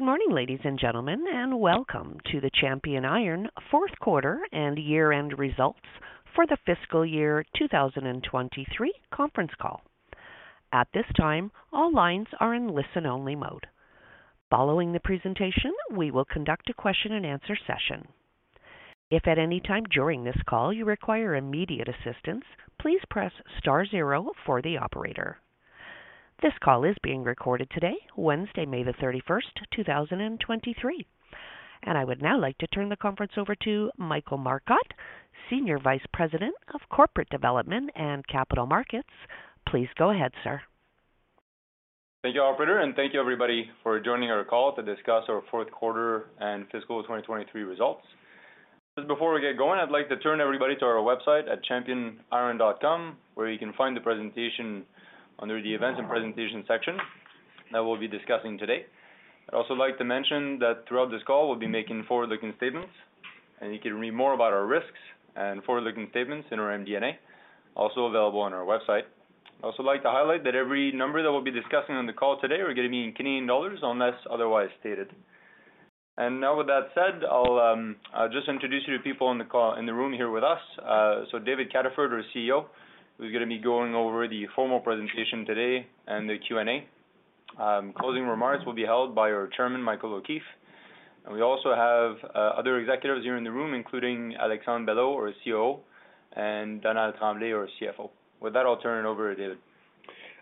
Good morning, ladies and gentlemen, and welcome to the Champion Iron Fourth Quarter and Year-End Results for the Fiscal Year 2023 Conference Call. At this time, all lines are in listen-only mode. Following the presentation, we will conduct a question-and-answer session. If at any time during this call you require immediate assistance, please press star zero for the operator. This call is being recorded today, Wednesday, May 31st, 2023. I would now like to turn the conference over to Michael Marcotte, Senior Vice President of Corporate Development and Capital Markets. Please go ahead, sir. Thank you, operator, and thank you everybody for joining our call to discuss our fourth quarter and fiscal 2023 results. Just before we get going, I'd like to turn everybody to our website at championiron.com, where you can find the presentation under the Events and Presentation section that we'll be discussing today. I'd also like to mention that throughout this call, we'll be making forward-looking statements, and you can read more about our risks and forward-looking statements in our MD&A, also available on our website. I'd also like to highlight that every number that we'll be discussing on the call today are going to be in Canadian dollars, unless otherwise stated. Now with that said, I'll just introduce you to people on the call in the room here with us. David Cataford, our CEO, who's going to be going over the formal presentation today and the Q&A. Closing remarks will be held by our Chairman, Michael O'Keeffe. We also have other executives here in the room, including Alexandre Belleau, our COO, and Donald Tremblay, our CFO. With that, I'll turn it over to David.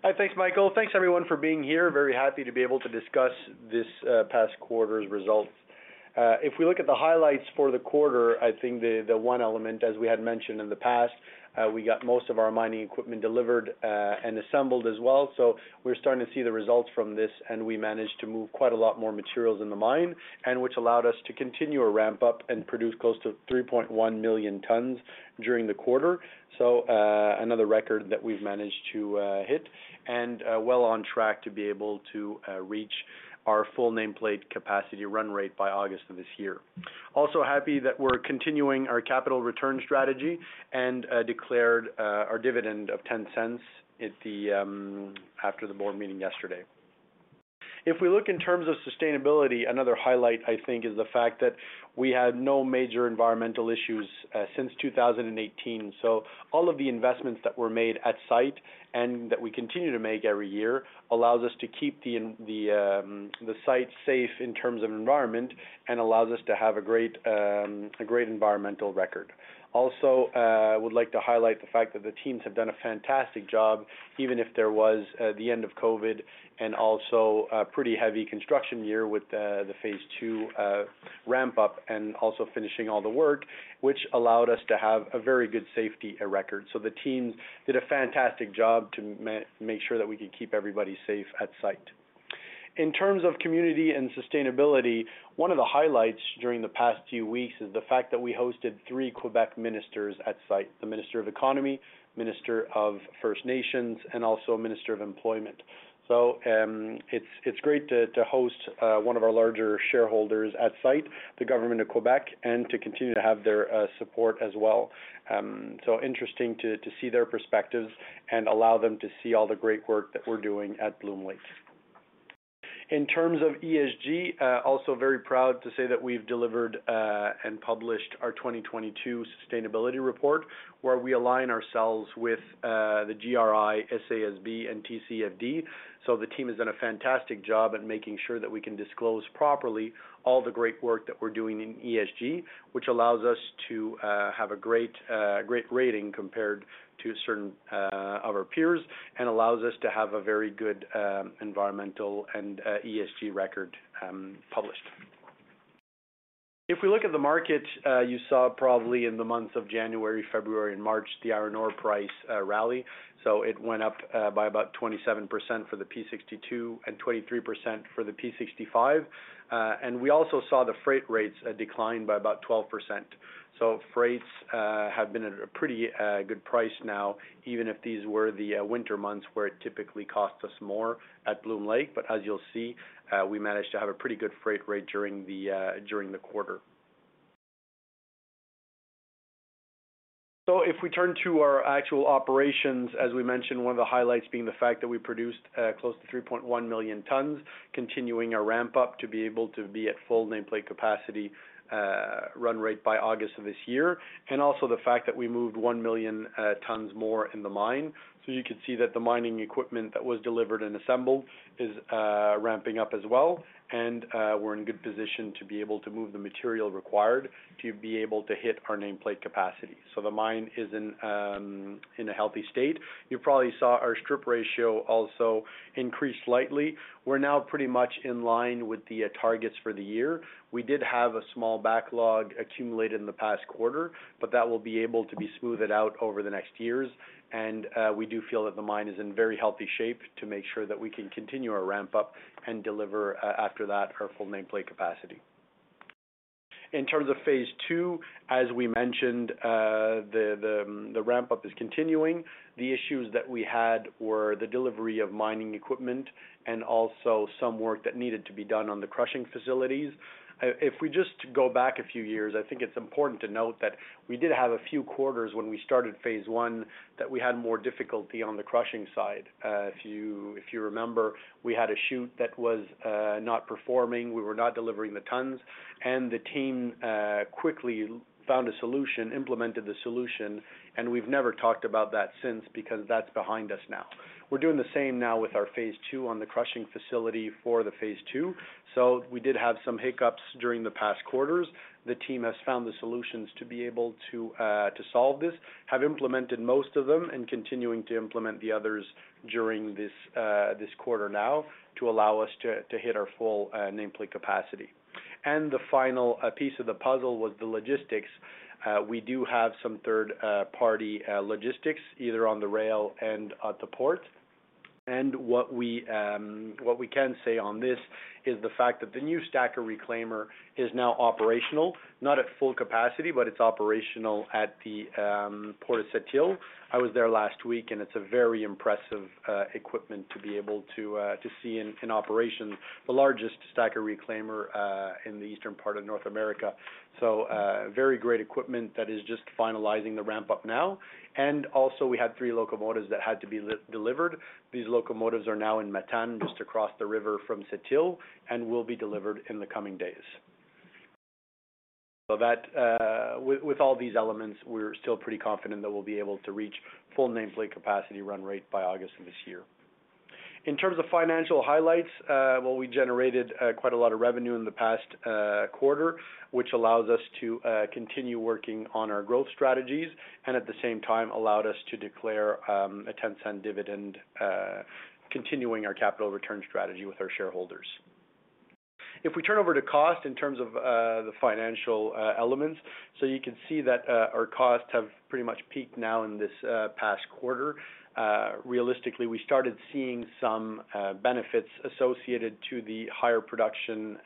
Hi. Thanks, Michael. Thanks everyone for being here. Very happy to be able to discuss this past quarter's results. If we look at the highlights for the quarter, I think the one element, as we had mentioned in the past, we got most of our mining equipment delivered and assembled as well. We're starting to see the results from this, and we managed to move quite a lot more materials in the mine, which allowed us to continue our ramp up and produce close to 3.1 million tons during the quarter. Another record that we've managed to hit and well on track to be able to reach our full nameplate capacity run rate by August of this year. Also happy that we're continuing our capital return strategy and declared our dividend of 0.10 after the board meeting yesterday. If we look in terms of sustainability, another highlight, I think, is the fact that we had no major environmental issues since 2018. All of the investments that were made at site and that we continue to make every year, allows us to keep the site safe in terms of environment and allows us to have a great environmental record. I would like to highlight the fact that the teams have done a fantastic job, even if there was the end of COVID and also a pretty heavy construction year with the Phase II ramp up and also finishing all the work, which allowed us to have a very good safety record. The teams did a fantastic job to make sure that we could keep everybody safe at site. In terms of community and sustainability, one of the highlights during the past few weeks is the fact that we hosted three Quebec ministers at site: the Minister of Economy, Minister of First Nations, and also Minister of Employment. It's, it's great to host one of our larger shareholders at site, the Government of Quebec, and to continue to have their support as well. Interesting to see their perspectives and allow them to see all the great work that we're doing at Bloom Lake. In terms of ESG, also very proud to say that we've delivered and published our 2022 Sustainability Report, where we align ourselves with the GRI, SASB, and TCFD. The team has done a fantastic job at making sure that we can disclose properly all the great work that we're doing in ESG, which allows us to have a great great rating compared to certain of our peers, and allows us to have a very good environmental and ESG record published. If we look at the market, you saw probably in the months of January, February, and March, the iron ore price rally. It went up by about 27% for the P62 and 23% for the P65. We also saw the freight rates decline by about 12%. Freights have been at a pretty good price now, even if these were the winter months, where it typically cost us more at Bloom Lake. As you'll see, we managed to have a pretty good freight rate during the quarter. If we turn to our actual operations, as we mentioned, one of the highlights being the fact that we produced close to 3.1 million tons, continuing our ramp-up to be able to be at full nameplate capacity run rate by August of this year, and also the fact that we moved 1 million tons more in the mine. You can see that the mining equipment that was delivered and assembled is ramping up as well, and we're in good position to be able to move the material required to be able to hit our nameplate capacity. The mine is in a healthy state. You probably saw our strip ratio also increased slightly. We're now pretty much in line with the targets for the year. We did have a small backlog accumulated in the past quarter, but that will be able to be smoothed out over the next years. We do feel that the mine is in very healthy shape to make sure that we can continue our ramp-up and deliver after that, our full nameplate capacity. In terms of Phase II, as we mentioned, the ramp-up is continuing. The issues that we had were the delivery of mining equipment and also some work that needed to be done on the crushing facilities. If we just go back a few years, I think it's important to note that we did have a few quarters when we started Phase I, that we had more difficulty on the crushing side. If you remember, we had a chute that was not performing. We were not delivering the tons, and the team quickly found a solution, implemented the solution, and we've never talked about that since because that's behind us now. We're doing the same now with our Phase II on the crushing facility for the Phase II. We did have some hiccups during the past quarters. The team has found the solutions to be able to to solve this, have implemented most of them, and continuing to implement the others during this quarter now to allow us to to hit our full nameplate capacity. The final piece of the puzzle was the logistics. We do have some third party logistics, either on the rail and at the port. What we can say on this is the fact that the new stacker reclaimer is now operational, not at full capacity, but it's operational at the Port de Sept-Îles. I was there last week, and it's a very impressive equipment to be able to to see in operation, the largest stacker reclaimer in the eastern part of North America. Very great equipment that is just finalizing the ramp-up now. We had three locomotives that had to be delivered. These locomotives are now in Matane, just across the river from Sept-Îles, and will be delivered in the coming days. With all these elements, we're still pretty confident that we'll be able to reach full nameplate capacity run rate by August of this year. In terms of financial highlights, well, we generated quite a lot of revenue in the past quarter, which allows us to continue working on our growth strategies and at the same time allowed us to declare a 0.10 dividend, continuing our capital return strategy with our shareholders. If we turn over to cost in terms of the financial elements, you can see that our costs have pretty much peaked now in this past quarter. Realistically, we started seeing some benefits associated to the higher production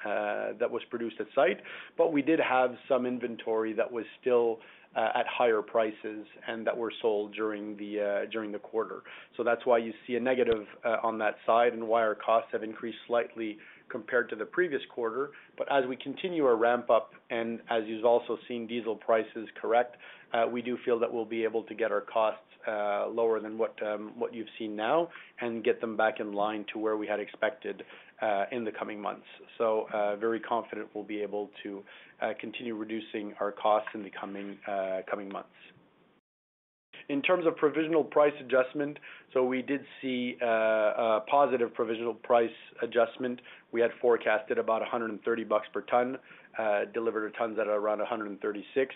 that was produced at site, but we did have some inventory that was still at higher prices and that were sold during the quarter. That's why you see a negative on that side and why our costs have increased slightly compared to the previous quarter. As we continue our ramp-up and as you've also seen diesel prices correct, we do feel that we'll be able to get our costs lower than what you've seen now and get them back in line to where we had expected in the coming months. Very confident we'll be able to continue reducing our costs in the coming months. In terms of provisional price adjustment, we did see a positive provisional price adjustment. We had forecasted about $130 per ton, delivered tons at around $136,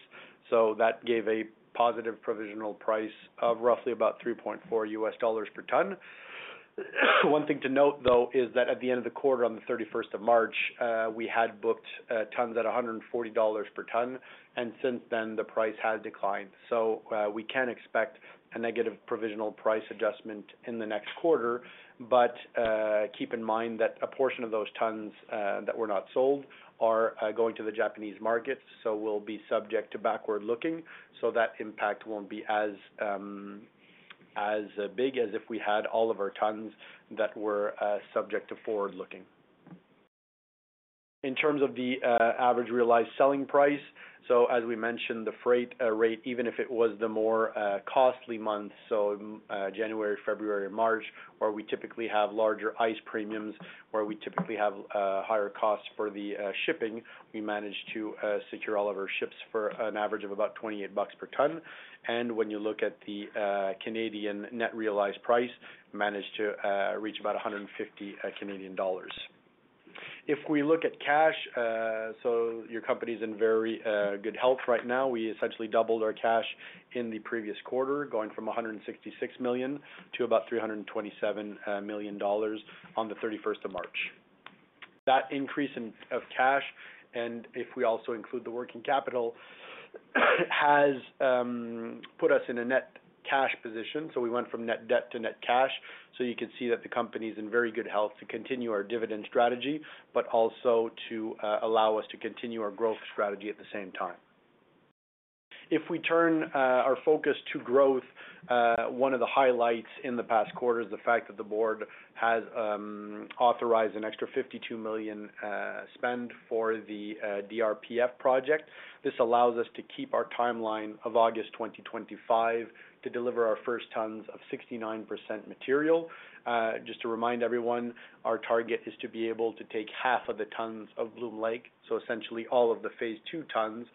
that gave a positive provisional price of roughly about $3.4 per ton. One thing to note, though, is that at the end of the quarter, on the 31st of March, we had booked tons at $140 per ton, since then, the price has declined. We can expect a negative provisional price adjustment in the next quarter. Keep in mind that a portion of those tons that were not sold are going to the Japanese market, so will be subject to backward-looking, so that impact won't be as big as if we had all of our tons that were subject to forward-looking. In terms of the average realized selling price, as we mentioned, the freight rate, even if it was the more costly month, so January, February, and March, where we typically have larger ice premiums, where we typically have higher costs for the shipping, we managed to secure all of our ships for an average of about $28 per ton. When you look at the Canadian net realized price, managed to reach about 150 Canadian dollars. We look at cash, your company's in very good health right now. We essentially doubled our cash in the previous quarter, going from 166 million to about 327 million dollars on the 31st of March. That increase in, of cash, and if we also include the working capital, has put us in a net cash position, we went from net debt to net cash. You can see that the company's in very good health to continue our dividend strategy, but also to allow us to continue our growth strategy at the same time. We turn our focus to growth, one of the highlights in the past quarter is the fact that the board has authorized an extra 52 million spend for the DRPF project. This allows us to keep our timeline of August 2025 to deliver our first tons of 69% material. Just to remind everyone, our target is to be able to take half of the tons of Bloom Lake, so essentially all of the Phase II tons,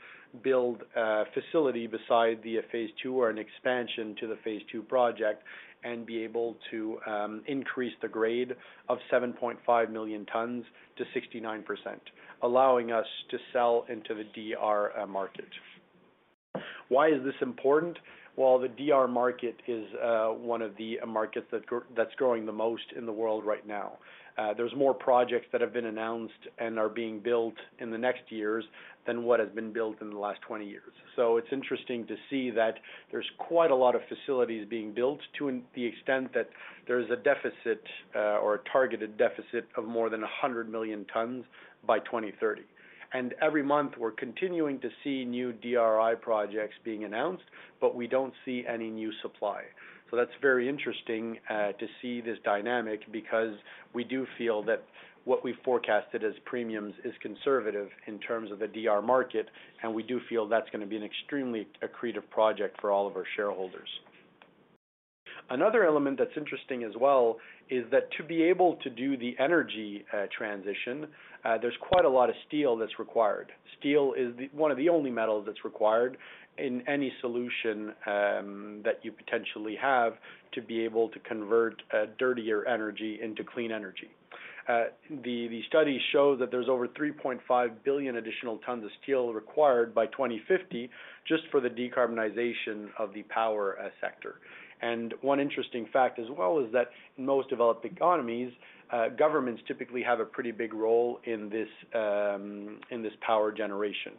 build a facility beside the Phase II or an expansion to the Phase II project, and be able to increase the grade of 7.5 million tons to 69%, allowing us to sell into the DR market. Why is this important? The DR market is one of the markets that's growing the most in the world right now. There's more projects that have been announced and are being built in the next years than what has been built in the last 20 years. It's interesting to see that there's quite a lot of facilities being built, to the extent that there is a deficit, or a targeted deficit of more than 100 million tons by 2030. Every month, we're continuing to see new DRI projects being announced, but we don't see any new supply. That's very interesting to see this dynamic because we do feel that what we forecasted as premiums is conservative in terms of the DR market, and we do feel that's gonna be an extremely accretive project for all of our shareholders. Another element that's interesting as well is that to be able to do the energy transition, there's quite a lot of steel that's required. Steel is one of the only metals that's required in any solution that you potentially have to be able to convert dirtier energy into clean energy. The studies show that there's over 3.5 billion additional tons of steel required by 2050, just for the decarbonization of the power sector. One interesting fact as well is that most developed economies, governments typically have a pretty big role in this power generation.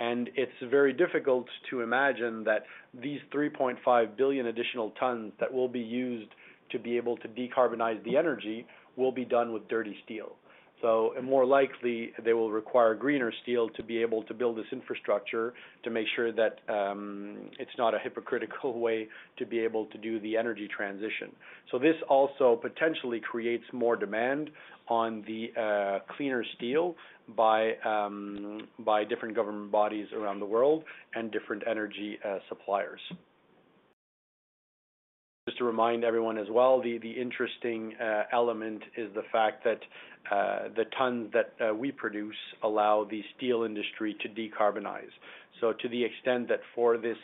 It's very difficult to imagine that these 3.5 billion additional tons that will be used to be able to decarbonize the energy will be done with dirty steel. More likely, they will require greener steel to be able to build this infrastructure, to make sure that it's not a hypocritical way to be able to do the energy transition. This also potentially creates more demand on the cleaner steel by different government bodies around the world and different energy suppliers. Just to remind everyone as well, the interesting element is the fact that the tons that we produce allow the steel industry to decarbonize. To the extent that for this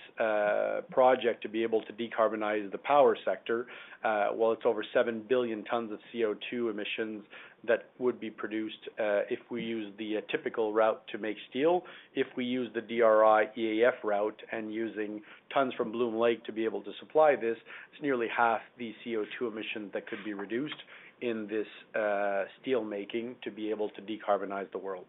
project to be able to decarbonize the power sector, while it's over seven billion tons of CO2 emissions that would be produced, if we use the typical route to make steel, if we use the DRI EAF route and using tons from Bloom Lake to be able to supply this, it's nearly half the CO2 emission that could be reduced in this steelmaking to be able to decarbonize the world.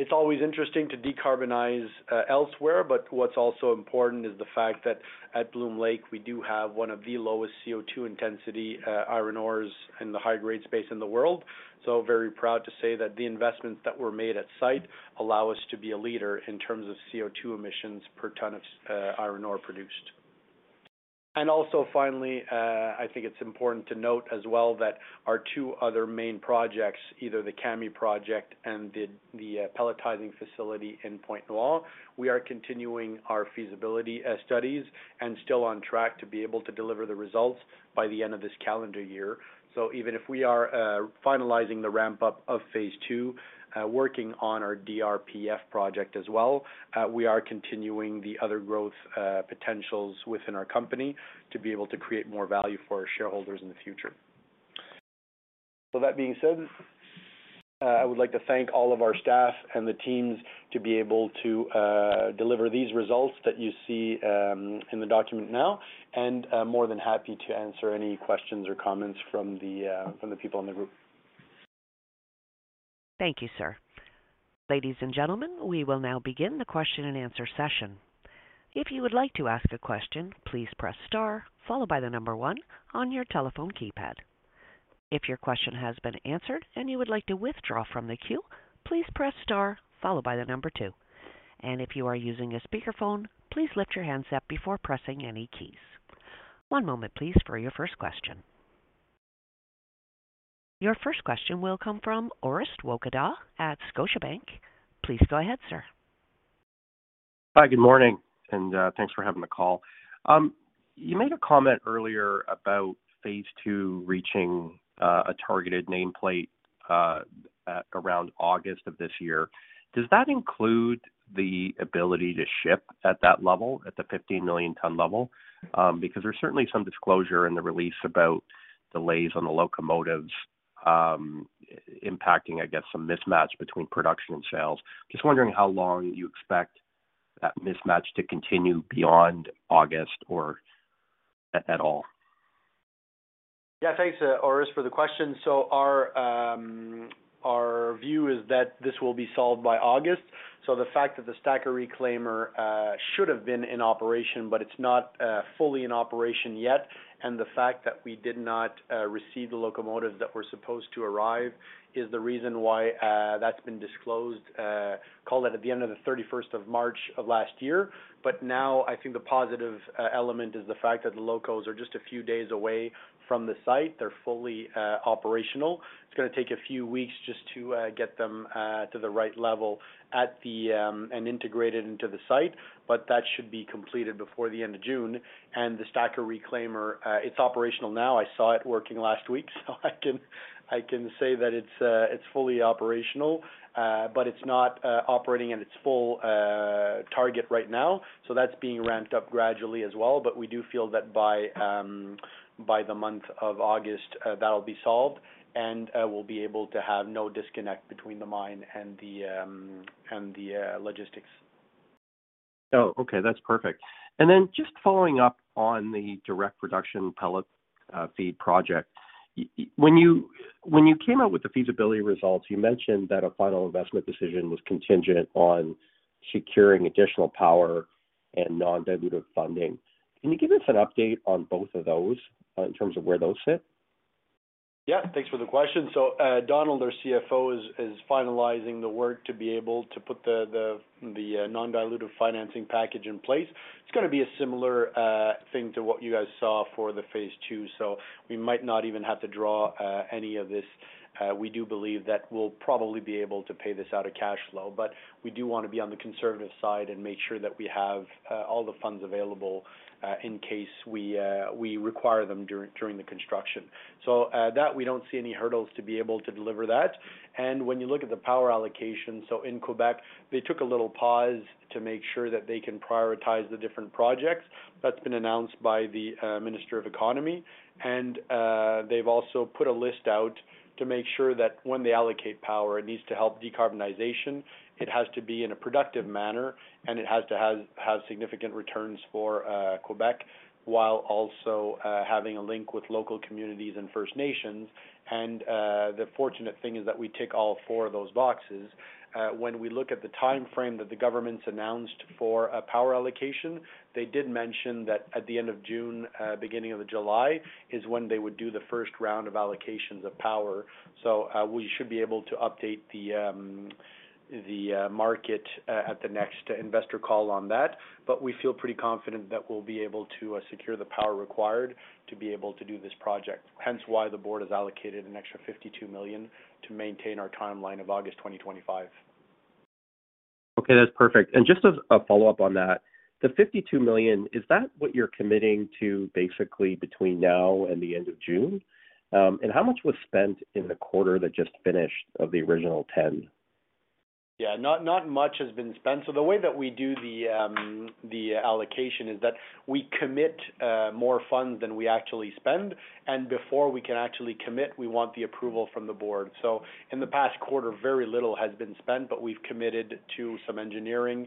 It's always interesting to decarbonize elsewhere. What's also important is the fact that at Bloom Lake, we do have one of the lowest CO2 intensity iron ores in the high-grade space in the world. Very proud to say that the investments that were made at site allow us to be a leader in terms of CO2 emissions per ton of iron ore produced. Also finally, I think it's important to note as well that our two other main projects, either the Kami project and the pelletizing facility in Pointe-Noire, we are continuing our feasibility studies and still on track to be able to deliver the results by the end of this calendar year. Even if we are finalizing the ramp-up of Phase II, working on our DRPF project as well, we are continuing the other growth potentials within our company to be able to create more value for our shareholders in the future. That being said, I would like to thank all of our staff and the teams to be able to deliver these results that you see in the document now, and more than happy to answer any questions or comments from the people on the group. Thank you, sir. Ladies and gentlemen, we will now begin the question and answer session. If you would like to ask a question, please press star, followed by one on your telephone keypad. If your question has been answered and you would like to withdraw from the queue, please press star, followed by two. If you are using a speakerphone, please lift your handset before pressing any keys. One moment, please, for your first question. Your first question will come from Orest Wowkodaw at Scotiabank. Please go ahead, sir. Hi, good morning, and thanks for having me call. You made a comment earlier about Phase II reaching a targeted nameplate at around August of this year. Does that include the ability to ship at that level, at the 15 million ton level? Because there's certainly some disclosure in the release about delays on the locomotives, impacting, I guess, some mismatch between production and sales. Just wondering how long you expect that mismatch to continue beyond August or at all? Yeah, thanks, Orest, for the question. Our view is that this will be solved by August. The fact that the stacker reclaimer should have been in operation, but it's not fully in operation yet, and the fact that we did not receive the locomotives that were supposed to arrive, is the reason why that's been disclosed, call it at the end of the 31st of March of last year. Now, I think the positive element is the fact that the locals are just a few days away from the site. They're fully operational. It's gonna take a few weeks just to get them to the right level at the and integrated into the site, but that should be completed before the end of June. The stacker reclaimer, it's operational now. I saw it working last week, so I can say that it's fully operational, but it's not operating at its full target right now. That's being ramped up gradually as well. We do feel that by the month of August, that'll be solved, and we'll be able to have no disconnect between the mine and the logistics. Oh, okay. That's perfect. Just following up on the Direct Reduction Pellet Feed Project. When you came out with the feasibility results, you mentioned that a final investment decision was contingent on securing additional power and non-dilutive funding. Can you give us an update on both of those in terms of where those sit? Yeah, thanks for the question. Donald, our CFO, is finalizing the work to be able to put the non-dilutive financing package in place. It's gonna be a similar thing to what you guys saw for the Phase II, so we might not even have to draw any of this. We do believe that we'll probably be able to pay this out of cash flow, but we do want to be on the conservative side and make sure that we have all the funds available in case we require them during the construction. That we don't see any hurdles to be able to deliver that. When you look at the power allocation, so in Quebec, they took a little pause to make sure that they can prioritize the different projects. That's been announced by the Minister of Economy. They've also put a list out to make sure that when they allocate power, it needs to help decarbonization, it has to be in a productive manner, and it has to have significant returns for Quebec, while also having a link with local communities and First Nations. The fortunate thing is that we tick all four of those boxes. When we look at the timeframe that the government's announced for a power allocation, they did mention that at the end of June, beginning of the July, is when they would do the first round of allocations of power. We should be able to update the market at the next investor call on that. We feel pretty confident that we'll be able to secure the power required to be able to do this project. Hence, why the board has allocated an extra 52 million to maintain our timeline of August 2025. Okay, that's perfect. Just as a follow-up on that, the 52 million, is that what you're committing to basically between now and the end of June? How much was spent in the quarter that just finished of the original 10 million? Not much has been spent. The way that we do the allocation is that we commit more funds than we actually spend, and before we can actually commit, we want the approval from the board. In the past quarter, very little has been spent, but we've committed to some engineering.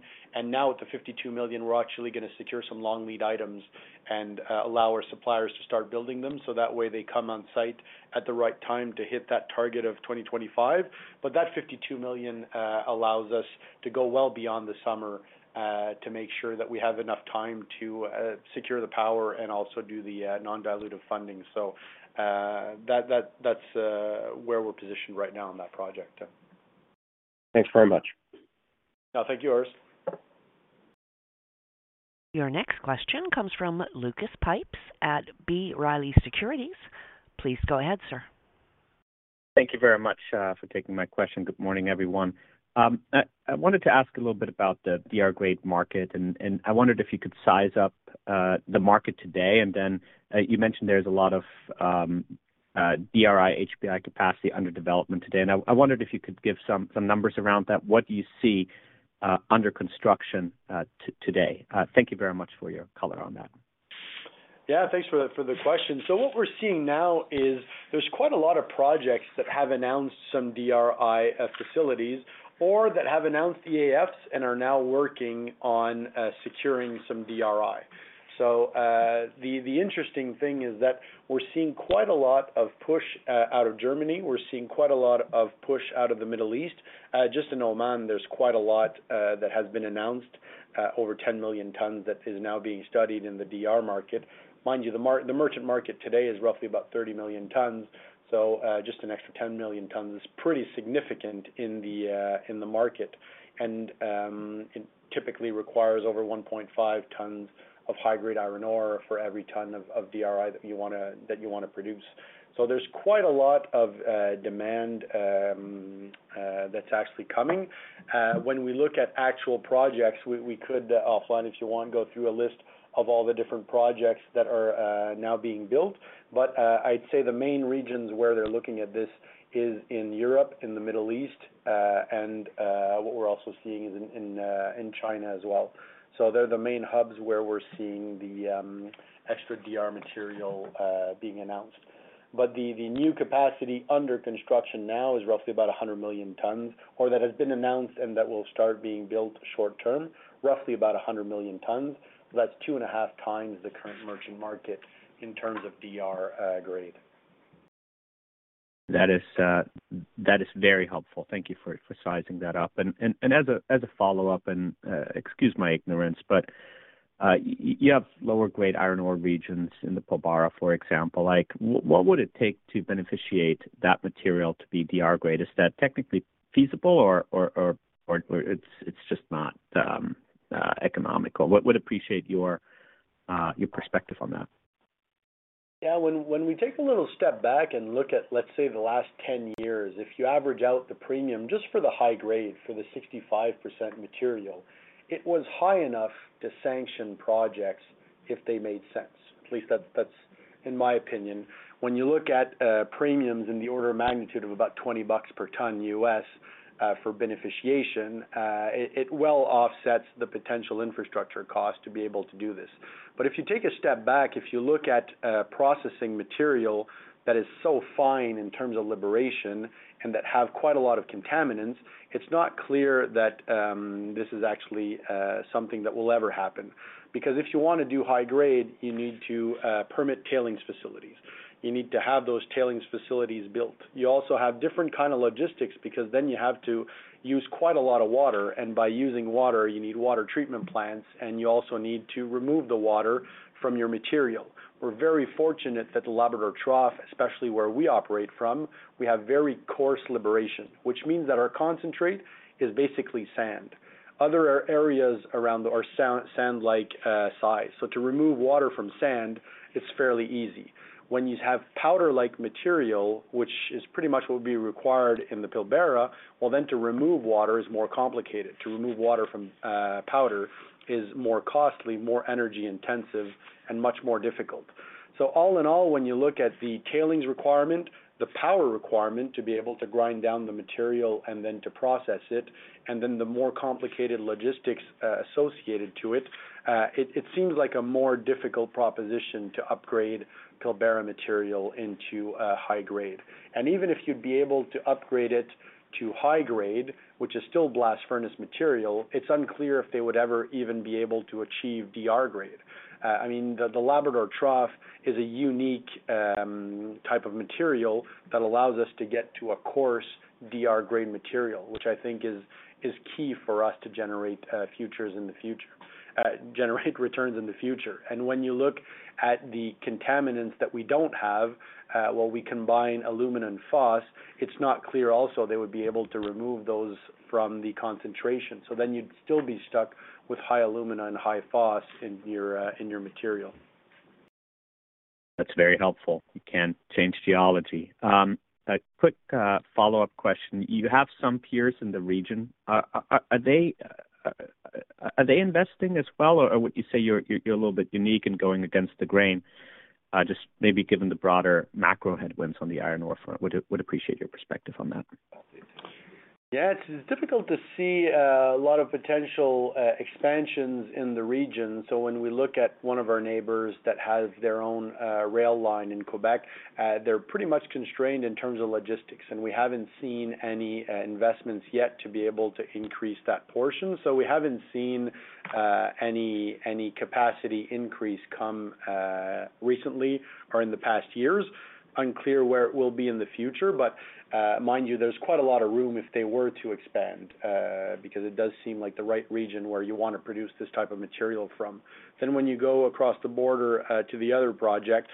Now with the 52 million, we're actually going to secure some long lead items and allow our suppliers to start building them, so that way they come on site at the right time to hit that target of 2025. That 52 million allows us to go well beyond the summer to make sure that we have enough time to secure the power and also do the non-dilutive funding. That's where we're positioned right now on that project. Thanks very much. thank you, Orest. Your next question comes from Lucas Pipes at B. Riley Securities. Please go ahead, sir. Thank you very much for taking my question. Good morning, everyone. I wanted to ask a little bit about the DR-grade market, and I wondered if you could size up the market today. You mentioned there's a lot of DRI, HBI capacity under development today, and I wondered if you could give some numbers around that. What do you see under construction today? Thank you very much for your color on that. Yeah, thanks for the question. What we're seeing now is there's quite a lot of projects that have announced some DRI facilities or that have announced EAFs and are now working on securing some DRI. The interesting thing is that we're seeing quite a lot of push out of Germany. We're seeing quite a lot of push out of the Middle East. Just in Oman, there's quite a lot that has been announced, over 10 million tons, that is now being studied in the DR market. Mind you, the merchant market today is roughly about 30 million tons, so just an extra 10 million tons, pretty significant in the market. It typically requires over 1.5 tons of high-grade iron ore for every ton of DRI that you wanna produce. There's quite a lot of demand that's actually coming. When we look at actual projects, we could offline, if you want, go through a list of all the different projects that are now being built. I'd say the main regions where they're looking at this is in Europe, in the Middle East, and what we're also seeing is in China as well. They're the main hubs where we're seeing the extra DR material being announced. The new capacity under construction now is roughly about 100 million tons, or that has been announced, and that will start being built short term, roughly about 100 million tons. That's 2.5x the current merchant market in terms of DR grade. That is very helpful. Thank you for sizing that up. As a follow-up, and excuse my ignorance, but you have lower grade iron ore regions in the Pilbara, for example. Like, what would it take to beneficiate that material to be DR grade? Is that technically feasible or it's just not economical? Would appreciate your perspective on that. When we take a little step back and look at, let's say, the last 10 years, if you average out the premium, just for the high grade, for the 65% material, it was high enough to sanction projects if they made sense. At least that's in my opinion. When you look at premiums in the order of magnitude of about $20 per ton U.S. for beneficiation, it well offsets the potential infrastructure cost to be able to do this. If you take a step back, if you look at processing material that is so fine in terms of liberation and that have quite a lot of contaminants, it's not clear that this is actually something that will ever happen. If you wanna do high grade, you need to permit tailings facilities. You need to have those tailings facilities built. You also have different kind of logistics because then you have to use quite a lot of water, and by using water, you need water treatment plants, and you also need to remove the water from your material. We're very fortunate that the Labrador Trough, especially where we operate from, we have very coarse liberation, which means that our concentrate is basically sand. Other areas around are sand like size. To remove water from sand, it's fairly easy. When you have powder-like material, which is pretty much will be required in the Pilbara, well, then to remove water is more complicated. To remove water from powder is more costly, more energy intensive, and much more difficult. All in all, when you look at the tailings requirement, the power requirement to be able to grind down the material and then to process it, and then the more complicated logistics associated to it seems like a more difficult proposition to upgrade Pilbara material into a high grade. Even if you'd be able to upgrade it to high grade, which is still blast furnace material, it's unclear if they would ever even be able to achieve DR grade. I mean, the Labrador Trough is a unique type of material that allows us to get to a coarse DR grade material, which I think is key for us to generate returns in the future. When you look at the contaminants that we don't have, while we combine alumina and silica, it's not clear also they would be able to remove those from the concentration. You'd still be stuck with high alumina and high silica in your material. That's very helpful. You can't change geology. A quick follow-up question. You have some peers in the region. Are they investing as well, or would you say you're a little bit unique in going against the grain? Just maybe given the broader macro headwinds on the iron ore front. Would appreciate your perspective on that. Yeah, it's difficult to see a lot of potential expansions in the region. When we look at one of our neighbors that has their own rail line in Quebec, they're pretty much constrained in terms of logistics, and we haven't seen any investments yet to be able to increase that portion. We haven't seen any capacity increase come recently or in the past years. Unclear where it will be in the future, but, mind you, there's quite a lot of room if they were to expand, because it does seem like the right region where you want to produce this type of material from. When you go across the border to the other project,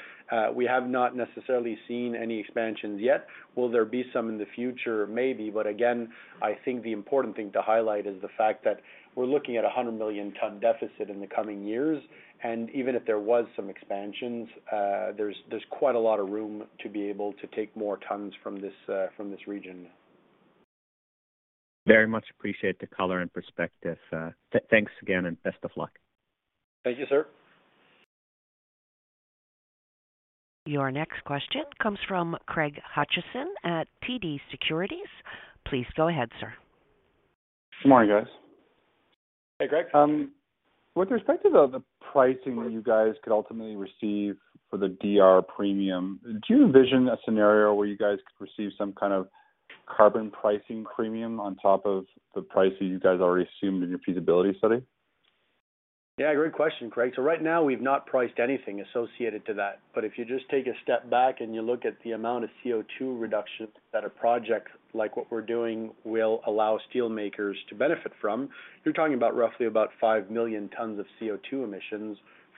we have not necessarily seen any expansions yet. Will there be some in the future? Maybe. Again, I think the important thing to highlight is the fact that we're looking at a 100 million ton deficit in the coming years, and even if there was some expansions, there's quite a lot of room to be able to take more tons from this from this region. Very much appreciate the color and perspective, thanks again and best of luck. Thank you, sir. Your next question comes from Craig Hutchison at TD Securities. Please go ahead, sir. Good morning, guys. Hey, Craig. With respect to the pricing that you guys could ultimately receive for the DR premium, do you envision a scenario where you guys could receive some kind of carbon pricing premium on top of the pricing you guys already assumed in your feasibility study? Yeah, great question, Craig. Right now, we've not priced anything associated to that, but if you just take a step back and you look at the amount of CO₂ reduction that a project like what we're doing will allow steelmakers to benefit from, you're talking about roughly about 5 million tons of CO₂ emissions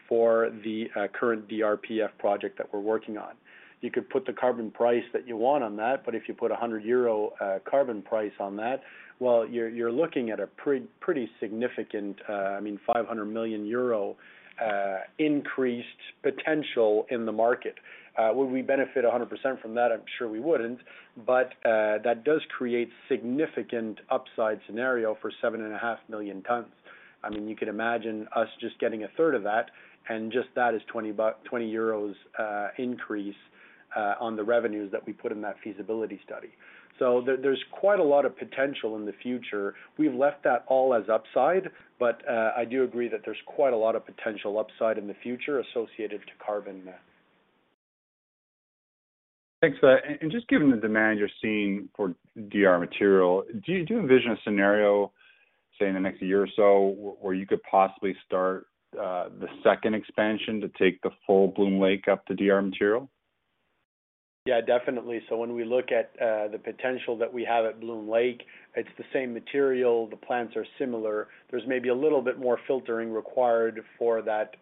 for the current DRPF project that we're working on. You could put the carbon price that you want on that, if you put a 100 euro carbon price on that, well, you're looking at a pretty significant, I mean, 500 million euro increased potential in the market. Would we benefit 100% from that? I'm sure we wouldn't. That does create significant upside scenario for 7.5 million tons. I mean, you could imagine us just getting a third of that, and just that is 20 euros increase on the revenues that we put in that feasibility study. There's quite a lot of potential in the future. We've left that all as upside, but I do agree that there's quite a lot of potential upside in the future associated to carbon. Thanks for that. Just given the demand you're seeing for DR material, do you envision a scenario, say, in the next year or so, where you could possibly start the second expansion to take the full Bloom Lake up to DR material? Yeah, definitely. When we look at the potential that we have at Bloom Lake, it's the same material, the plants are similar. There's maybe a little bit more filtering required for that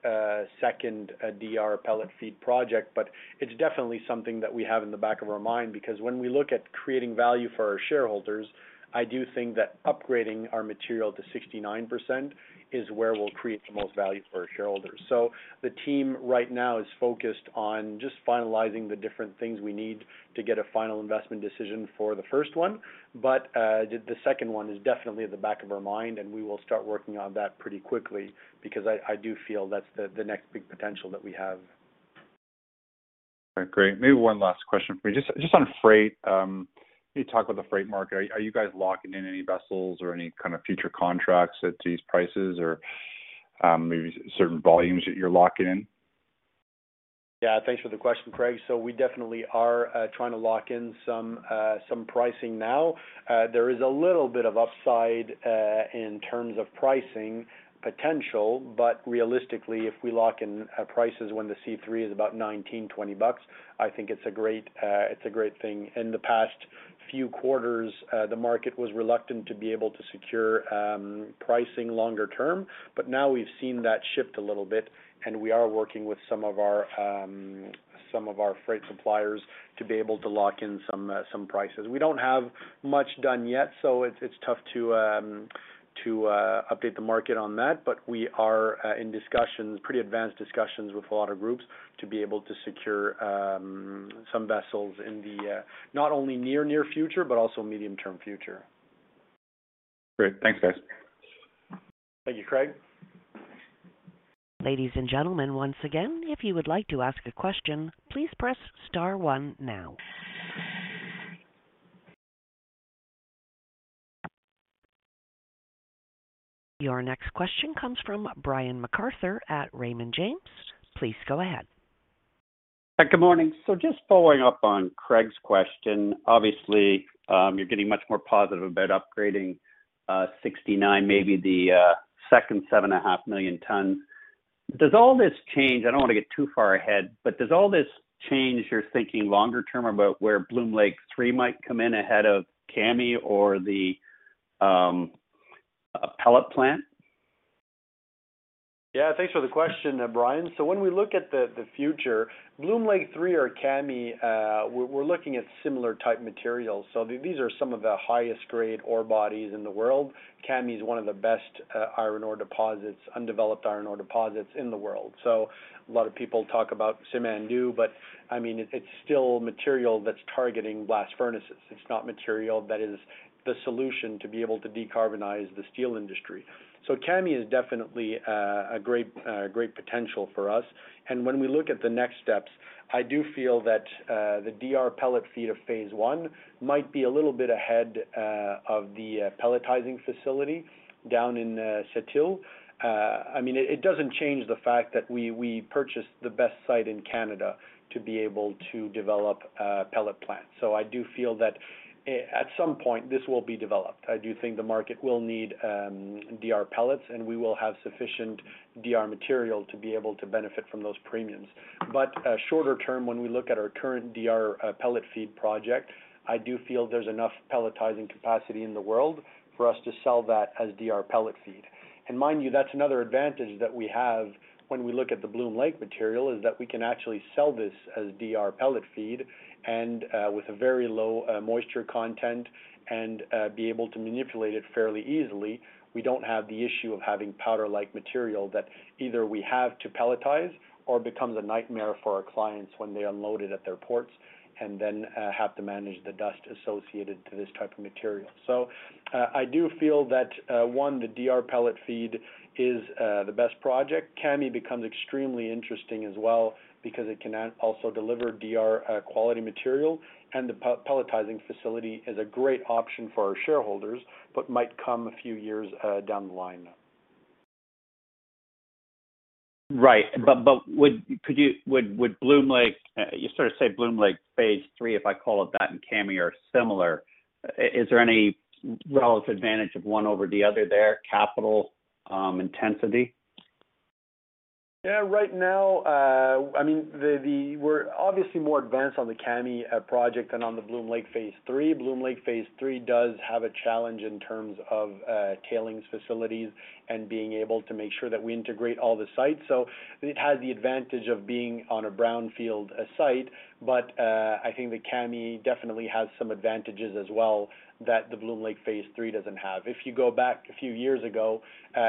second DR pellet feed project, but it's definitely something that we have in the back of our mind, because when we look at creating value for our shareholders, I do think that upgrading our material to 69% is where we'll create the most value for our shareholders. The team right now is focused on just finalizing the different things we need to get a final investment decision for the first one. The second one is definitely at the back of our mind, and we will start working on that pretty quickly because I do feel that's the next big potential that we have. All right, great. Maybe one last question for you. Just on freight, you talk about the freight market. Are you guys locking in any vessels or any kind of future contracts at these prices, or maybe certain volumes that you're locking in? Yeah, thanks for the question, Craig. We definitely are trying to lock in some pricing now. There is a little bit of upside in terms of pricing potential, but realistically, if we lock in prices when the C3 is about 19 bucks, 20 bucks, I think it's a great thing. In the past few quarters, the market was reluctant to be able to secure pricing longer term, but now we've seen that shift a little bit, and we are working with some of our freight suppliers to be able to lock in some prices. We don't have much done yet. It's tough to update the market on that. We are in discussions, pretty advanced discussions with a lot of groups to be able to secure some vessels in the not only near future, but also medium-term future. Great. Thanks, guys. Thank you, Craig. Ladies and gentlemen, once again, if you would like to ask a question, please press star one now. Your next question comes from Brian MacArthur at Raymond James. Please go ahead. Good morning. Just following up on Craig's question, obviously, you're getting much more positive about upgrading, 69, maybe the second 7.5 million tons. I don't want to get too far ahead, but does all this change your thinking longer term about where Bloom Lake III might come in ahead of Kami or the pellet plant? Thanks for the question, Brian. When we look at the future Bloom Lake III or Kami, we're looking at similar type materials. These are some of the highest grade ore bodies in the world. Kami is one of the best iron ore deposits, undeveloped iron ore deposits in the world. A lot of people talk about Simandou, but I mean, it's still material that's targeting blast furnaces. It's not material that is the solution to be able to decarbonize the steel industry. Kami is definitely a great potential for us. When we look at the next steps, I do feel that the DR pellet feed of Phase I might be a little bit ahead of the pelletizing facility down in Sept-Îles. I mean, it doesn't change the fact that we purchased the best site in Canada to be able to develop a pellet plant. I do feel that at some point this will be developed. I do think the market will need DR pellets, and we will have sufficient DR material to be able to benefit from those premiums. Shorter term, when we look at our current DR pellet feed project, I do feel there's enough pelletizing capacity in the world for us to sell that as DR pellet feed. Mind you, that's another advantage that we have when we look at the Bloom Lake material, is that we can actually sell this as DR pellet feed and with a very low moisture content and be able to manipulate it fairly easily. We don't have the issue of having powder-like material that either we have to pelletize or becomes a nightmare for our clients when they unload it at their ports and then have to manage the dust associated to this type of material. I do feel that one, the DR pellet feed is the best project. Kami becomes extremely interesting as well because it can also deliver DR quality material, and the pelletizing facility is a great option for our shareholders, but might come a few years down the line. Right. But would you sort of say Bloom Lake Phase III, if I call it that, and Kami, are similar. Is there any relative advantage of one over the other, their capital intensity? Right now, we're obviously more advanced on the Kami project than on the Bloom Lake Phase III. Bloom Lake Phase III does have a challenge in terms of tailings facilities and being able to make sure that we integrate all the sites. It has the advantage of being on a brownfield site. I think the Kami definitely has some advantages as well that the Bloom Lake Phase III doesn't have. If you go back a few years ago,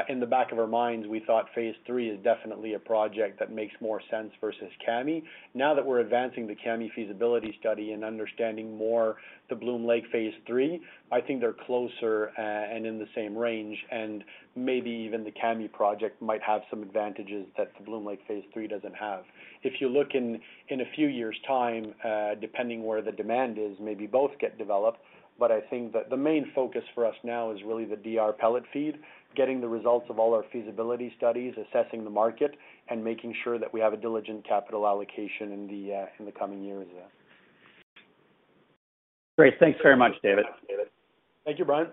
in the back of our minds, we thought Phase III is definitely a project that makes more sense versus Kami. Now that we're advancing the Kami feasibility study and understanding more the Bloom Lake Phase III, I think they're closer and in the same range, and maybe even the Kami project might have some advantages that the Bloom Lake Phase III doesn't have. If you look in a few years time, depending where the demand is, maybe both get developed. I think that the main focus for us now is really the DR pellet feed, getting the results of all our feasibility studies, assessing the market, and making sure that we have a diligent capital allocation in the coming years, yeah. Great. Thanks very much, David. Thank you, Brian.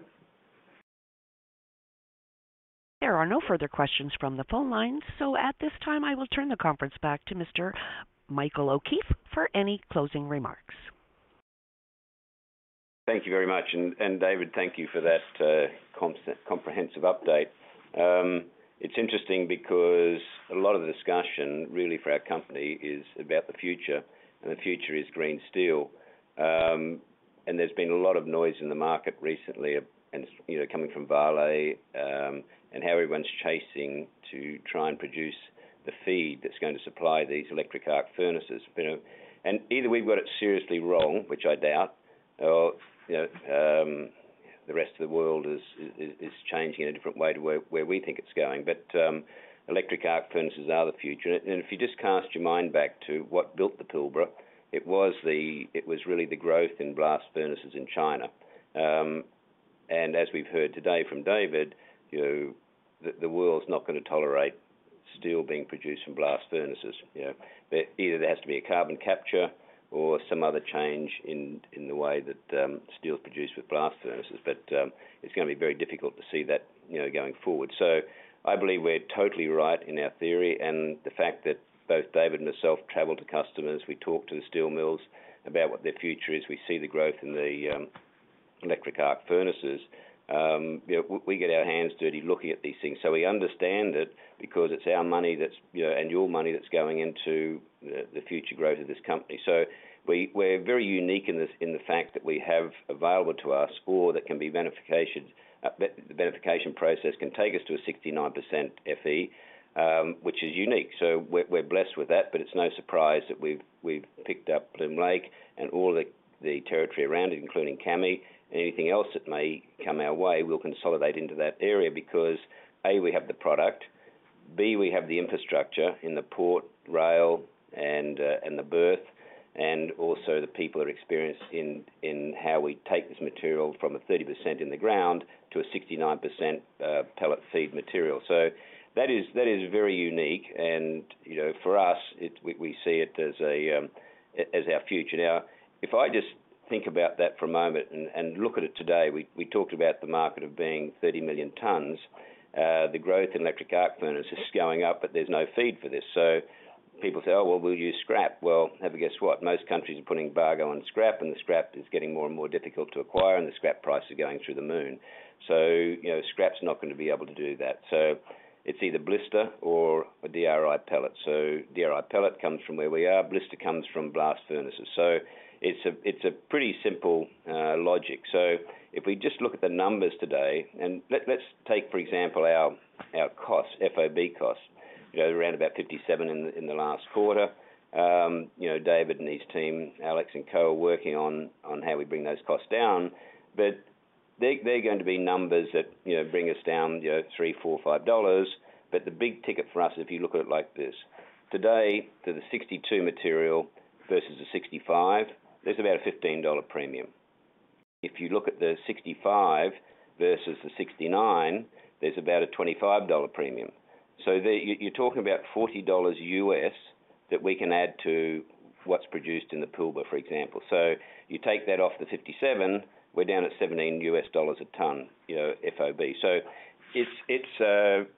There are no further questions from the phone lines. At this time, I will turn the conference back to Mr. Michael O'Keeffe for any closing remarks. Thank you very much. David, thank you for that comprehensive update. It's interesting because a lot of the discussion really for our company is about the future, and the future is green steel. There's been a lot of noise in the market recently, and, you know, coming from Vale, and how everyone's chasing to try and produce the feed that's going to supply these electric arc furnaces, you know. Either we've got it seriously wrong, which I doubt, or, you know, the rest of the world is changing in a different way to where we think it's going. Electric arc furnaces are the future. If you just cast your mind back to what built the Pilbara, it was really the growth in blast furnaces in China. As we've heard today from David, you know, the world's not going to tolerate steel being produced in blast furnaces. You know, either there has to be a carbon capture or some other change in the way that steel is produced with blast furnaces. It's going to be very difficult to see that, you know, going forward. I believe we're totally right in our theory and the fact that both David and myself travel to customers. We talk to the steel mills about what their future is. We see the growth in the electric arc furnaces. You know, we get our hands dirty looking at these things. We understand it because it's our money, that's, you know, and your money that's going into the future growth of this company. We're very unique in this, in the fact that we have available to us ore that can be beneficiation. The beneficiation process can take us to a 69% Fe, which is unique. We're blessed with that, but it's no surprise that we've picked up Bloom Lake and all the territory around it, including Kami. Anything else that may come our way, we'll consolidate into that area because, A, we have the product. B, we have the infrastructure in the port, rail, and the berth, and also the people are experienced in how we take this material from a 30% in the ground to a 69% pellet feed material. That is very unique. You know, for us, we see it as a as our future. Now, if I just think about that for a moment and look at it today, we talked about the market of being 30 million tons. The growth in electric arc furnaces is going up, but there's no feed for this. People say, "Oh, well, we'll use scrap." Well, have a guess what? Most countries are putting embargo on scrap, and the scrap is getting more and more difficult to acquire, and the scrap prices are going through the moon. You know, scrap's not going to be able to do that. It's either blister or a DRI pellet. DRI pellet comes from where we are, blister comes from blast furnaces. It's a pretty simple logic. If we just look at the numbers today, and let's take, for example, our costs, FOB costs. You know, around about 57 in the last quarter. You know, David and his team, Alex and co, are working on how we bring those costs down, but they're going to be numbers that, you know, bring us down, you know, $3, $4, $5. The big ticket for us, if you look at it like this: today, to the 62 material versus the 65, there's about a $15 premium. If you look at the 65 versus the 69, there's about a $25 premium. The, you're talking about $40 U.S., that we can add to what's produced in the Pilbara, for example. You take that off the 57, we're down at $17 U.S. a ton, you know, FOB.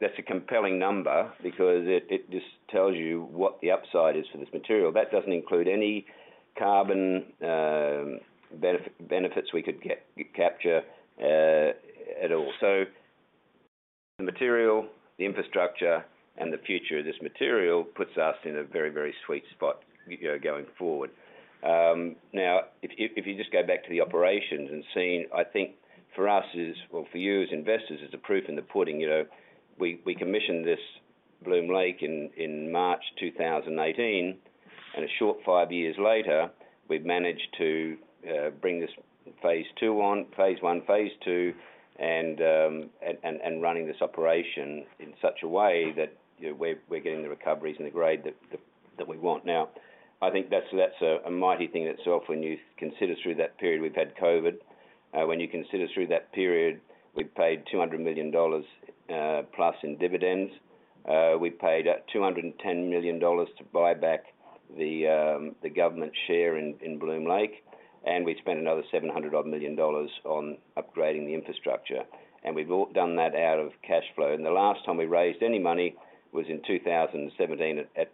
That's a compelling number because it just tells you what the upside is for this material. That doesn't include any carbon benefits we could get, capture at all. The material, the infrastructure, and the future of this material puts us in a very, very sweet spot, you know, going forward. Now, if you just go back to the operations and seeing, I think for us is, well, for you as investors, is the proof in the pudding. You know, we commissioned this Bloom Lake in March 2018. A short five years later, we've managed to bring this Phase II on, Phase I, Phase II, and running this operation in such a way that, you know, we're getting the recoveries and the grade that we want. Now, I think that's a mighty thing itself when you consider through that period, we've had COVID. When you consider through that period, we've paid 200 million dollars plus in dividends. We paid out 210 million dollars to buy back the Government share in Bloom Lake. We spent another 700 odd million on upgrading the infrastructure, and we've all done that out of cash flow. The last time we raised any money was in 2017 at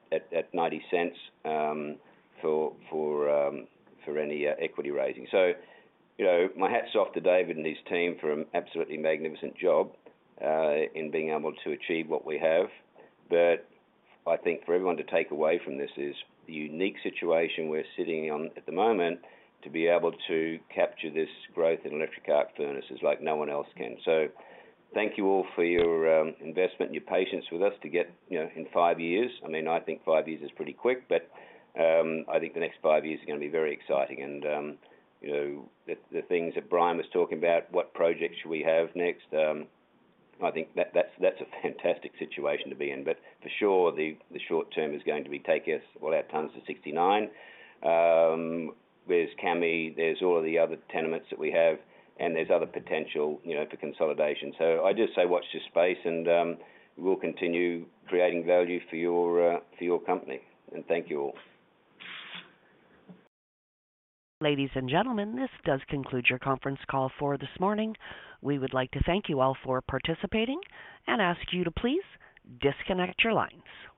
0.90 for any equity raising. You know, my hats off to David and his team for an absolutely magnificent job in being able to achieve what we have. I think for everyone to take away from this is the unique situation we're sitting on at the moment, to be able to capture this growth in electric arc furnaces like no one else can. Thank you all for your investment and your patience with us to get, you know, in five years. I mean, I think five years is pretty quick, but I think the next five years are gonna be very exciting. You know, the things that Brian was talking about, what projects should we have next? I think that's, that's a fantastic situation to be in. For sure, the short term is going to be taking us, well, our tons to 69. There's Kami, there's all of the other tenements that we have, and there's other potential, you know, for consolidation. I just say, watch this space and, we'll continue creating value for your, for your company. Thank you all. Ladies and gentlemen, this does conclude your conference call for this morning. We would like to thank you all for participating and ask you to please disconnect your lines.